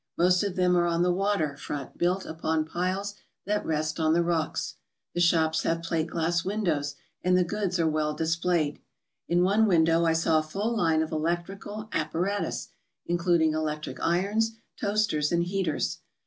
Most of them are on the water front built upon piles that rest on the rocks. The shops have plate glass windows and the goods are well displayed. In one window I saw a full line of electri cal apparatus, including electric irons, toasters, and heaters.